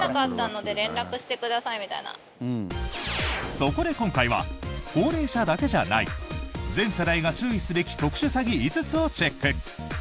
そこで今回は高齢者だけじゃない全世代が注意すべき特殊詐欺５つをチェック。